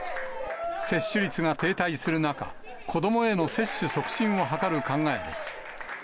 接種率が停滞する中、子どもへの接種促進を図る考えです。